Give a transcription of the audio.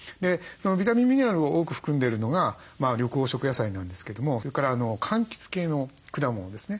ビタミンミネラルを多く含んでるのが緑黄色野菜なんですけどもそれからかんきつ系の果物ですね。